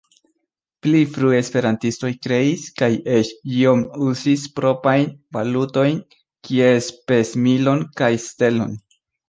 Pli frue esperantistoj kreis kaj eĉ iom uzis proprajn valutojn kiel Spesmilon kaj Stelon.